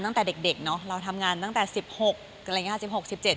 ตั้งแต่เด็กเด็กเนอะเราทำงานตั้งแต่สิบหกอะไรอย่างเงี้สิบหกสิบเจ็ด